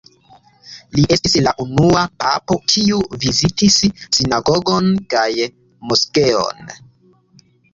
Li estis la unua papo, kiu vizitis sinagogon kaj moskeon.